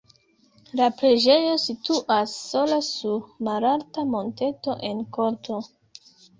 La preĝejo situas sola sur malalta monteto en korto.